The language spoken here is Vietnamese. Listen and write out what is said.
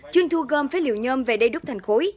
chuyên thu gom phế liệu nhôm về đây đúc thành khối